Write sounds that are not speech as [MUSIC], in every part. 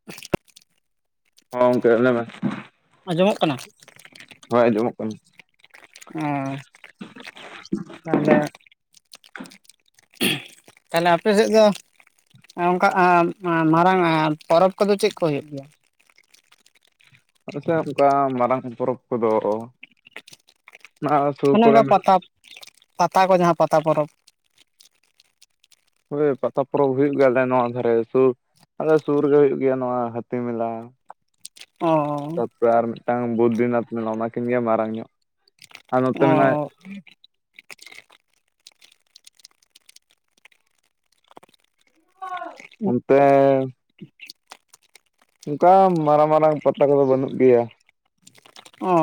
[INAUDIBLE] ᱦᱚᱸ ᱜᱚᱝᱠᱮ ᱞᱟ. ᱭ ᱢᱮ ᱟᱸᱡᱚᱢᱚᱜ ᱠᱟᱱᱟ ᱾ ᱦᱳᱭ ᱟᱸᱡᱚᱢᱚᱜ ᱠᱟᱱᱟ ᱾ ᱚᱸ ᱛᱟᱦᱚᱞᱮ ᱛᱟᱦᱚᱞᱮ ᱟᱯᱮ ᱥᱮᱫ ᱫᱚ ᱚᱱᱠᱟ ᱟᱻᱟ ᱢᱟᱨᱟᱝ ᱟ ᱯᱚᱨᱚᱵᱽ ᱠᱚᱫᱚ ᱪᱮᱜ ᱠᱚ ᱦᱳᱭᱳᱜ ᱜᱮᱭᱟ ᱾ ᱟᱞᱮ ᱥᱮᱫ ᱚᱱᱠᱟ ᱢᱟᱨᱟᱝ ᱯᱚᱨᱚᱵᱽ ᱠᱚᱫᱚ ᱚᱱᱟ ᱥᱩᱨ ᱚᱱᱮ ᱠᱚᱨᱮ ᱚᱱᱠᱟ ᱢᱮᱱᱟᱜ ᱯᱟᱛᱟᱵ ᱯᱟᱛᱟ ᱠᱚ ᱡᱟᱦᱟᱸ ᱯᱟᱛᱟ ᱯᱚᱨᱚᱵᱽ ᱾ ᱦᱳᱭ ᱯᱟᱛᱟ ᱯᱚᱨᱚᱵᱽ ᱦᱩᱭᱩᱜ ᱜᱮᱭᱟ ᱟᱞᱮ ᱱᱚᱣᱟ ᱫᱷᱟᱨᱮ ᱥᱩᱨ ᱟᱞᱮ ᱥᱩᱨ ᱨᱮᱜᱮ ᱦᱩᱭᱩᱜ ᱜᱮᱭᱟ ᱱᱚᱣᱟ ᱦᱟᱹᱛᱤ ᱢᱮᱞᱟ ᱾ ᱚ ᱛᱟᱨᱯᱚᱨᱮ ᱟᱨ ᱢᱤᱫᱴᱟᱝ ᱵᱩᱫᱽᱫᱤᱱᱟᱛᱷ ᱢᱮᱞᱟ ᱚᱱᱟᱠᱤᱱ ᱜᱮ ᱢᱟᱨᱟᱝ ᱧᱚᱜ ᱟᱨ ᱱᱚᱛᱮ ᱚ ᱢᱮᱱᱟᱜ ᱚᱱᱛᱮ ᱚᱱᱠᱟ ᱢᱟᱨᱟᱝ ᱢᱟᱨᱟᱝ ᱯᱟᱛᱟ ᱠᱚᱫᱚ ᱵᱟᱹᱱᱩᱜ ᱜᱮᱭᱟ ᱾ ᱚ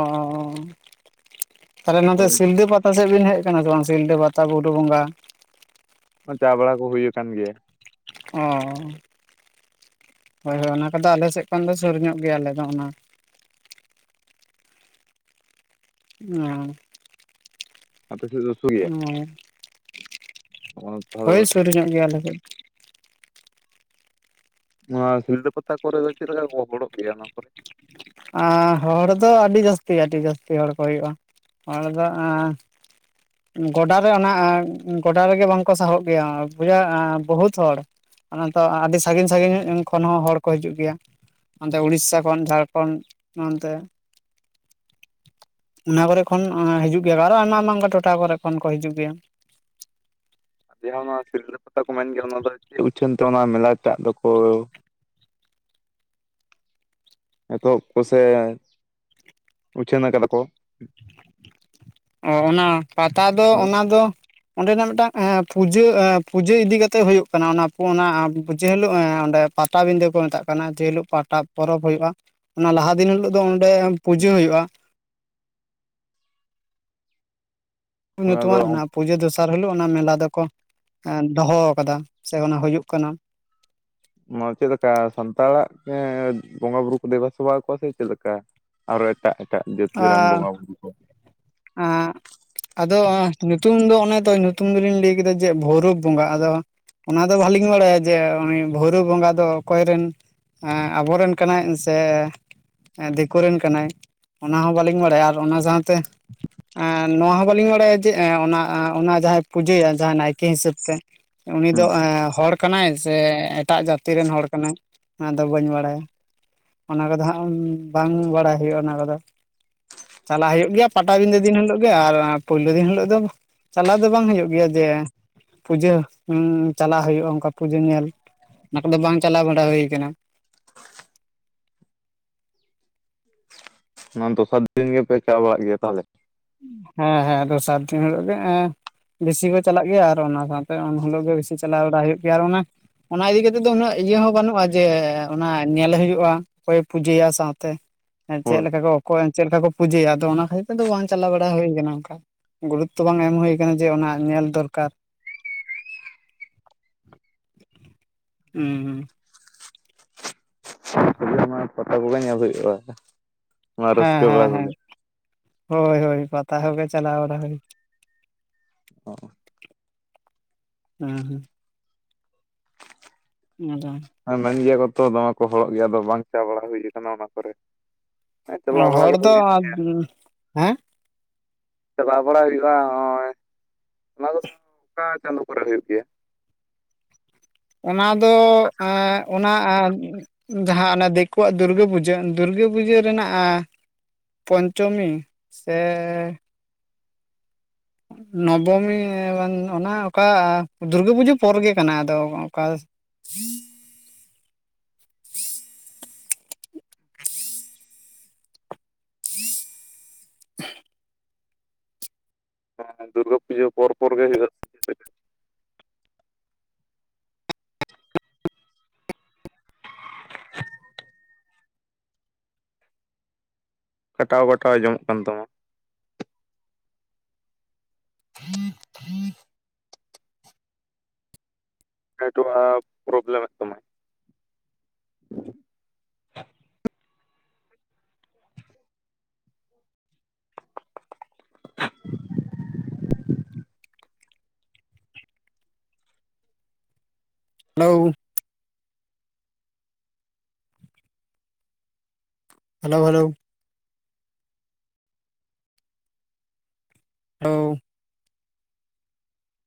ᱛᱟᱦᱚᱞᱮ ᱱᱚᱛᱮ ᱦᱳᱭ ᱥᱤᱞᱫᱟᱹ ᱯᱟᱛ ᱛᱟ ᱥᱮᱫ ᱵᱮᱱ ᱦᱮᱡ ᱠᱟᱱᱟ ᱥᱮ ᱵᱟᱝ ᱥᱤᱞᱫᱟᱹ ᱯᱟᱛᱟ ᱵᱩᱨᱩ ᱵᱚᱸᱜᱟ ᱾ ᱪᱟ ᱵᱟᱲᱟ ᱠᱚ ᱦᱩᱭ ᱟᱠᱟᱱ ᱜᱮᱭᱟ ᱾ ᱚ ᱦᱳᱭ ᱦᱳᱭ ᱚᱱᱟ ᱠᱚᱫᱚ ᱟᱞᱮ ᱥᱮᱜ ᱠᱷᱚᱱ ᱫᱚ ᱥᱩᱨ ᱧᱚᱜ ᱜᱮᱭᱟ ᱟᱞᱮ ᱫᱚ ᱚᱱᱟ ᱚ ᱟᱯᱮ ᱥᱮᱫ ᱫᱚ ᱥᱩᱨ ᱜᱮᱭᱟ ᱾ ᱦᱮᱸ [UNINTELLIGIBLE] ᱦᱳᱭ ᱥᱩᱨ ᱧᱚᱜ ᱜᱮᱭᱟ ᱟᱞᱮ ᱠᱷᱚᱡ ᱾ ᱱᱚᱣᱟ ᱥᱤᱞᱫᱟᱹ ᱯᱟᱛᱟ ᱠᱚᱨᱮ ᱫᱚ ᱪᱮᱫ ᱞᱮᱠᱟ ᱠᱚ ᱦᱚᱲᱚᱜ ᱜᱮᱭᱟ ᱚᱱᱟ ᱠᱚᱨᱮ ᱟᱸ ᱦᱚᱲ ᱫᱚ ᱟᱰᱤ ᱡᱟᱥᱛᱤ ᱟᱰᱤ ᱡᱟᱥᱛᱤ ᱦᱚᱲ ᱠᱚ ᱦᱳᱭᱳᱜ-ᱟ᱾ ᱦᱚᱲ ᱫᱚ ᱮᱸ᱾ ᱜᱚᱰᱟᱨᱮ ᱚᱱᱟ ᱜᱚᱰᱟ ᱨᱮᱜᱮ ᱵᱟᱝᱠᱚ ᱥᱟᱦᱚᱵ ᱜᱮᱭᱟ ᱯᱩᱨᱟ ᱵᱚᱦᱩᱛ ᱦᱚᱲ᱾ ᱚᱱᱟ ᱛᱚ ᱟᱰᱤ ᱥᱟᱸᱜᱤᱧ ᱥᱟᱸᱜᱤᱧ ᱠᱷᱚᱱ ᱦᱚᱸ ᱦᱚᱲ ᱠᱚ ᱦᱤᱡᱩᱜ ᱜᱮᱭᱟ ᱚᱱᱛᱮ ᱩᱲᱤᱥᱥᱟ ᱠᱷᱚᱱ ᱡᱷᱟᱲ ᱠᱷᱚᱱ ᱱᱚᱱᱛᱮ᱾ ᱚᱱᱟ ᱠᱚᱨᱮ ᱠᱷᱚᱱ ᱚᱸ ᱦᱤᱡᱩᱜ ᱜᱮᱭᱟ ᱠᱚ ᱟᱨᱚ ᱟᱭᱢᱟ ᱟᱭᱢᱟ ᱚᱱᱠᱟ ᱴᱚᱴᱷᱟ ᱠᱚᱨᱮ ᱠᱷᱚᱱ ᱠᱚ ᱦᱤᱡᱩᱜ ᱜᱮᱭᱟ᱾ ᱡᱟᱸᱦᱟ ᱱᱚᱣᱟ ᱥᱤᱞᱫᱟᱹ ᱯᱟᱛᱟ ᱠᱚ ᱢᱮᱱ ᱜᱮᱭᱟ ᱚᱱᱟ ᱫᱚ ᱪᱮᱫ ᱩᱪᱷᱟᱹᱱ ᱛᱮ ᱚᱱᱟ ᱢᱮᱞᱟ ᱴᱟᱜ ᱫᱚᱠᱩ᱾ ᱮᱛᱚᱦᱚᱵ ᱠᱚᱥᱮ ᱩᱪᱷᱟᱹᱱ ᱟᱠᱟᱫᱟ ᱠᱚ᱾ ᱚ ᱚᱱᱟ ᱯᱟᱛᱟ ᱫᱚ ᱦᱳᱭ᱾ ᱚᱱᱟ ᱫᱚ᱾ ᱚᱸᱰᱮᱱᱟᱜ ᱢᱮᱜᱴᱟᱝ ᱮᱸ ᱯᱩᱡᱟᱹ ᱮᱸ ᱯᱩᱡᱟᱹ ᱤᱫᱤ ᱠᱟᱛᱮᱜ ᱦᱳᱭᱳᱜ ᱠᱟᱱᱟ ᱚᱱᱟ ᱠᱚ ᱚᱱᱟ ᱡᱮᱦᱤᱞᱳ ᱚᱸᱰᱮ᱾ ᱯᱟᱴᱟᱵᱤᱸᱫᱟᱹ ᱠᱚ ᱢᱮᱛᱟᱜ ᱠᱟᱱᱟ ᱡᱮᱦᱤᱞᱳᱜ ᱯᱟᱴᱟ ᱯᱚᱨᱚᱵᱽ ᱦᱳᱭᱳᱜ-ᱟ᱾ ᱚᱱᱟ ᱞᱟᱦᱟ ᱫᱤᱱ ᱦᱤᱞᱳᱜ ᱫᱚ ᱚᱸᱰᱮ ᱯᱩᱡᱟᱹ ᱦᱳᱭᱳᱜ-ᱟ᱾ ᱚᱱᱟ ᱫᱚ ᱧᱩᱛᱩᱢᱟᱱ᱾ [UNINTELLIGIBLE] ᱯᱩᱡᱟᱹ ᱫᱚᱥᱟᱨ ᱦᱤᱞᱳᱜ ᱚᱱᱟ ᱢᱮᱞᱟ ᱫᱚᱠᱚ ᱫᱚᱦᱚ ᱠᱟᱫᱟ ᱥᱮ ᱚᱱᱟ ᱦᱳᱭᱳᱜ ᱠᱟᱱᱟ᱾ ᱱᱚᱣᱟ ᱪᱮᱜ ᱞᱮᱠᱟ ᱥᱟᱱᱛᱟᱲᱟᱜ ᱜᱮ ᱵᱚᱸᱜᱟ ᱵᱩᱨᱩ ᱠᱚ ᱫᱮᱵᱟ ᱥᱮᱵᱟ ᱠᱚᱣᱟ ᱥᱮ ᱪᱮᱜ ᱞᱮᱠᱟ᱾ ᱟᱨᱚ ᱮᱴᱟᱜ ᱮᱴᱟᱜ ᱡᱟᱹᱛᱤ ᱨᱮᱱ ᱵᱚᱸᱜᱟ-ᱵᱩᱨᱩ ᱠᱚ᱾ ᱮᱸ᱾ ᱟᱫᱚ ᱧᱩᱛᱩᱢ ᱫᱚ ᱚᱱᱮ ᱛᱚ ᱧᱩᱛᱩᱢ ᱫᱚᱞᱤᱧ ᱞᱟᱹᱭ ᱠᱮᱫᱟ ᱡᱮ ᱵᱷᱳᱣᱨᱳᱵ ᱵᱚᱸᱜᱟ ᱟᱫᱚ᱾ ᱚᱱᱟ ᱫᱚ ᱵᱟᱞᱤᱧ ᱵᱟᱲᱟᱭᱟ ᱡᱮ ᱩᱱᱤ ᱵᱷᱳᱣᱨᱳᱵ ᱵᱚᱸᱜᱟ ᱫᱚ ᱚᱠᱚᱭ ᱨᱮᱱ᱾ ᱮᱸ ᱟᱵᱚ ᱨᱮᱱ ᱠᱟᱱᱟᱭ ᱥᱮ᱾ ᱫᱮᱠᱳ ᱨᱮᱱ ᱠᱟᱱᱟᱭ ᱚᱱᱟ ᱦᱚᱸ ᱵᱟᱞᱤᱧ ᱵᱟᱲᱟᱭᱟ ᱟᱨ ᱚᱱᱟ ᱥᱟᱶᱛᱮ᱾ ᱮᱸ ᱱᱚᱣᱟ ᱦᱚᱸ ᱵᱟᱞᱤᱧ ᱵᱟᱲᱟᱭᱟ ᱡᱮ ᱮᱸ ᱚᱱᱟ ᱚᱱᱟ ᱡᱟᱸᱦᱟᱭ ᱯᱩᱡᱟᱹᱭᱟ ᱡᱟᱸᱦᱟ ᱱᱟᱭᱠᱮ ᱦᱤᱥᱟᱹᱵ ᱛᱮ᱾ ᱩᱱᱤ ᱫᱚ ᱦᱩᱸ ᱮᱸ ᱦᱚᱲ ᱠᱟᱱᱟᱭ ᱥᱮ ᱮᱴᱟᱜ ᱡᱟᱛᱤ ᱨᱮᱱ ᱦᱚᱲ ᱠᱟᱱᱟᱭ ᱚᱱᱟᱫᱚ ᱵᱟᱹᱧ ᱵᱟᱲᱟᱭᱟ᱾ ᱚᱱᱟ ᱠᱚᱫᱚ ᱦᱟᱸᱜ ᱵᱟᱝ ᱵᱟᱲᱟᱭ ᱦᱳᱭᱳᱜ-ᱟ ᱚᱱᱟ ᱠᱚᱫᱚ ᱪᱟᱞᱟᱜ ᱦᱳᱭᱳᱜ ᱜᱮᱭᱟ᱾ ᱯᱟᱴᱟᱵᱤᱫᱟᱹ ᱫᱤᱱ ᱦᱤᱞᱳᱜ ᱜᱮ ᱟᱨ ᱯᱳᱭᱞᱳ ᱫᱤᱱ ᱦᱤᱞᱳᱜ ᱫᱚ ᱪᱟᱞᱟᱣ ᱫᱚ ᱵᱟᱝ ᱦᱳᱭᱳᱜ ᱜᱮᱭᱟ ᱡᱮ᱾ ᱯᱩᱡᱟᱹ ᱪᱟᱞᱟᱜ ᱦᱳᱭᱳᱜ-ᱟ ᱚᱝᱠᱟ ᱯᱩᱡᱟᱹ ᱧᱮᱞ ᱚᱱᱟ ᱠᱚᱫᱚ ᱵᱟᱝ ᱪᱟᱞᱟ ᱵᱟᱲᱟ ᱦᱳᱭ ᱠᱟᱱᱟ᱾ ᱚᱱᱟ ᱫᱚᱥᱟᱨ ᱫᱤᱱ ᱜᱮᱯᱮ ᱪᱟ ᱵᱟᱲᱟᱜ ᱜᱮᱭᱟ ᱛᱟᱦᱞᱮ᱾ ᱦᱮᱸ ᱦᱮᱸ ᱫᱚᱥᱟᱨ ᱫᱤᱱ ᱦᱤᱞᱳᱜ ᱜᱮ ᱮᱸ᱾ ᱵᱮᱥᱤ ᱠᱚ ᱪᱟᱞᱟᱜ ᱜᱮᱭᱟ ᱟᱨ ᱚᱱᱟ ᱥᱟᱶᱛᱮ ᱩᱱ ᱦᱤᱞᱚᱜ ᱜᱮ ᱵᱮᱥᱤ ᱪᱟᱞᱟ ᱵᱟᱲᱟ ᱦᱳᱭᱳᱜ ᱜᱮᱭᱟ ᱟᱨ ᱚᱱᱟ᱾ ᱚᱱᱟ ᱤᱫᱤ ᱠᱟᱛᱮᱫ ᱫᱚ ᱩᱱᱟᱹᱜ ᱤᱭᱟᱹ ᱦᱚᱸ ᱵᱟᱱᱩᱜ-ᱟ ᱡᱮ ᱚᱱᱟ ᱧᱮᱞ ᱦᱳᱭᱳᱜ-ᱟ᱾ ᱚᱠᱚᱭᱮ ᱯᱩᱡᱟᱹᱭᱟ ᱥᱟᱶᱛᱮ ᱪᱮᱜ ᱦᱳᱭ ᱞᱮᱠᱟ ᱠᱚ ᱚᱠᱚᱭ ᱪᱮᱜ ᱞᱮᱠᱟ ᱠᱚ ᱯᱩᱡᱟᱹᱭᱟ ᱟᱫᱚ ᱚᱱᱟ ᱠᱷᱟᱛᱤᱨ ᱛᱮ ᱫᱚ ᱵᱟᱝ᱾ ᱪᱟᱞᱟ ᱵᱟᱲᱟ ᱦᱳᱭ ᱚᱱᱠᱟ ᱜᱩᱨᱩᱛᱛᱚ ᱵᱟᱝ ᱮᱢ ᱦᱳᱭ ᱠᱟᱱᱟ ᱡᱮ ᱚᱱᱟ ᱧᱮᱞ ᱫᱚᱨᱠᱟᱨ᱾ ᱩᱻ᱾ [UNINTELLIGIBLE] ᱯᱟᱛᱟ ᱠᱚᱜᱮ᱾ ᱱᱠᱟ ᱧᱮᱞ ᱦᱳᱭᱳᱜ-ᱟ᱾ ᱦᱮᱸ ᱦᱮᱸ ᱦᱮᱸ ᱦᱳᱭ ᱦᱳᱭ ᱯᱟᱛᱟ ᱠᱚᱜᱮ ᱪᱟᱞᱟᱣ ᱵᱟᱲᱟ ᱦᱳᱭ᱾ ᱚ᱾ ᱦᱩᱸ ᱦᱩᱸ᱾ [UNINTELLIGIBLE] ᱦᱮᱸ ᱢᱮᱱ ᱜᱮᱭᱟ ᱠᱚ ᱛᱚ ᱫᱚᱢᱮ ᱠᱚ ᱦᱚᱲᱚᱜ ᱜᱮᱭᱟ ᱟᱫᱚ ᱵᱟᱝ ᱪᱟ ᱵᱟᱲᱟ ᱦᱳᱭ ᱠᱟᱱᱟ ᱚᱱᱟ ᱠᱚᱨᱮ᱾ ᱟᱫᱚ ᱪᱟᱞᱟᱣ ᱵᱟᱲᱟ ᱦᱚᱲ ᱠᱚᱫᱚ ᱫᱚ ᱦᱩᱭᱩᱜ ᱜᱮᱭᱟ᱾ ᱦᱮᱸ ᱪᱟᱞᱟᱣ ᱵᱟᱲᱟ ᱦᱩᱭᱩᱜ-ᱟ ᱦᱚᱸᱜ-ᱚᱭ ᱚᱱᱟ ᱫᱚ ᱚᱠᱟ ᱪᱟᱸᱫᱳ᱾ ᱠᱚᱨᱮ ᱦᱩᱭᱩᱜ ᱜᱮᱭᱟ᱾ ᱚᱱᱟ ᱫᱚ ᱮᱸ ᱚᱱᱟ ᱟᱨ᱾ ᱡᱟᱸᱦᱟ ᱚᱱᱮ ᱫᱮᱠᱳᱣᱟᱜ ᱫᱩᱨᱜᱟᱹ ᱯᱩᱡᱟᱹ ᱫᱩᱨᱜᱟᱹ ᱯᱩᱡᱟᱹ ᱨᱮᱱᱟᱜ ᱟᱸ ᱯᱚᱧᱪᱚᱢᱤ ᱥᱮ ᱱᱚᱵᱚᱢᱤ ᱵᱟᱝ ᱚᱱᱟ ᱚᱠᱟ ᱫᱩᱨᱜᱟᱹ ᱯᱩᱡᱟᱹ ᱯᱚᱨ ᱜᱮ ᱠᱟᱱᱟ ᱟᱫᱚ ᱚᱠᱟ [INAUDIBLE] ᱦᱮᱸ ᱫᱩᱨᱜᱟᱹ ᱯᱩᱡᱟᱹ ᱯᱚᱨ ᱯᱚᱨ ᱜᱮ ᱦᱩᱭᱩᱜᱼᱟ᱾ ᱪᱮᱫ ᱞᱮᱠᱟ? ᱠᱟᱴᱟᱣ ᱠᱟᱴᱟᱣ ᱟᱸᱡᱚᱢᱚᱜ ᱠᱟᱱ ᱛᱟᱢᱟ᱾ ᱱᱮᱴᱚᱣᱟᱨᱠ ᱯᱨᱚᱵᱞᱮᱢᱮᱜ ᱛᱟᱢᱟᱭ᱾ ᱦᱮᱞᱳᱣ᱾ Hello hello. ᱦᱮᱞᱳᱣ᱾